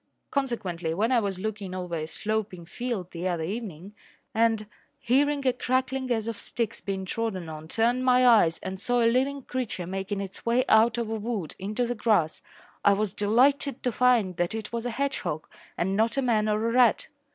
Consequently, when I was looking over a sloping field the other evening and, hearing a crackling as of sticks being trodden on, turned my eyes and saw a living creature making its way out of a wood into the grass, I was delighted to find that it was a hedgehog and not a man or a rat.